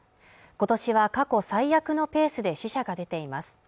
今年は過去最悪のペースで死者が出ています